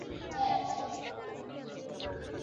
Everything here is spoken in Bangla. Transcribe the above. জেডি হলো কালপ্রিট।